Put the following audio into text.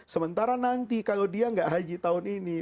karena nanti kalau dia nggak haji tahun ini